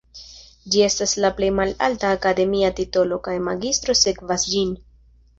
Ĝi estas la plej malalta akademia titolo kaj magistro sekvas ĝin.